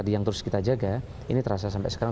yang terus kita jaga ini terasa sampai sekarang